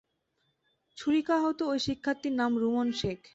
ছুরিকাহত ওই শিক্ষার্থীর নাম রুমন শেখ।